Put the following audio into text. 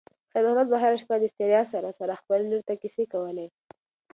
خیر محمد به هره شپه د ستړیا سره سره خپلې لور ته کیسې کولې.